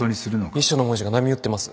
遺書の文字が波打ってます。